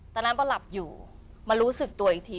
ตอนนั้นพอหลับอยู่มารู้สึกตัวอีกที